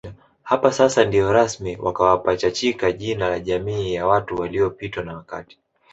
Hapa sasa ndio rasmi wakawapachachika jina la Jamii ya watu waliopitwa na wakati